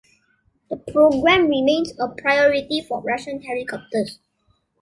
The programme remains a "priority" for Russian Helicopters.